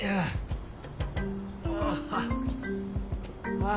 ああ。